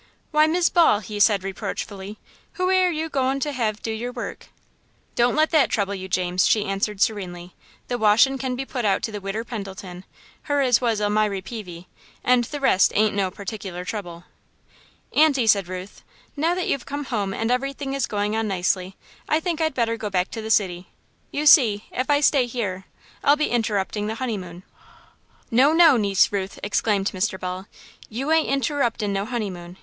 "Why, Mis' Ball," he said, reproachfully, "who air you goin' to hev to do your work?" "Don't let that trouble you, James," she answered, serenely, "the washin' can be put out to the Widder Pendleton, her as was Elmiry Peavey, and the rest ain't no particular trouble." "Aunty," said Ruth, "now that you've come home and everything is going on nicely, I think I'd better go back to the city. You see, if I stay here, I'll be interrupting the honeymoon." "No, no, Niece Ruth!" exclaimed Mr. Ball, "you ain't interruptin' no honeymoon.